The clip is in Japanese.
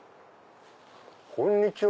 こんにちは。